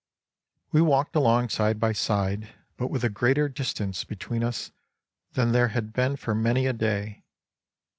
We walked along side by side, but with a greater distance between us than there had been for many a day.